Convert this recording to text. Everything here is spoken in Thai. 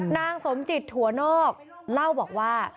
นางสมจิตถั่วนอกเล่าบอกว่า